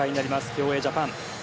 競泳ジャパン。